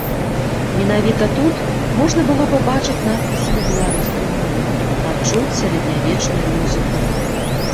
Менавіта тут можна было пабачыць надпісы на беларускай мове, пачуць сярэднявечную музыку.